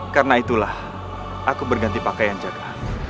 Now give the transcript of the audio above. karena itulah aku berganti pakaian jaga